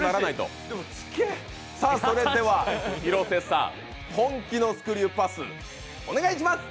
それでは廣瀬さん、本気のスクリューパス、お願いします。